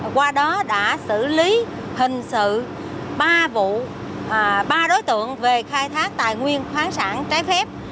qua đó đã xử lý hình sự ba đối tượng về khai thác tài nguyên khoáng sản trái phép